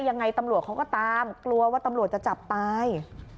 ยังไงตำรวจเขาก็ตามกลัวว่าตำรวจจะจับตาย